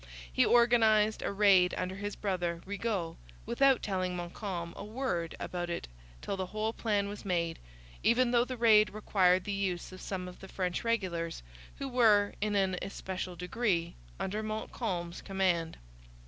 He organized a raid under his brother, Rigaud, without telling Montcalm a word about it till the whole plan was made, even though the raid required the use of some of the French regulars, who were, in an especial degree, under Montcalm's command.